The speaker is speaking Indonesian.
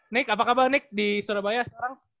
nik apa kabar nik di surabaya sekarang